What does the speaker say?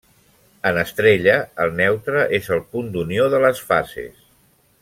En estrella, el neutre és el punt d'unió de les fases.